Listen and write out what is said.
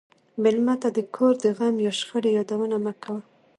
مېلمه ته د کور د غم یا شخړې یادونه مه کوه.